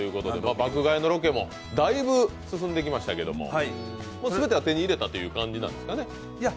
爆買いのロケもだいぶ進んできましたけれども、全ては手に入れたという感じなんですかね？